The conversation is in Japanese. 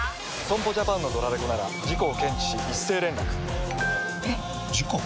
損保ジャパンのドラレコなら事故を検知し一斉連絡ピコンえっ？！事故？！